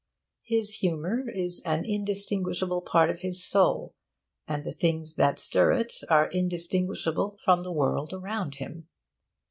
His humour is an indistinguishable part of his soul, and the things that stir it are indistinguishable from the world around him.